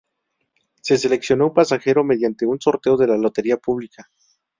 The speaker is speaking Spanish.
Se seleccionó un pasajero mediante un sorteo de la lotería pública.